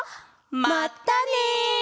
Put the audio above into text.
まったね！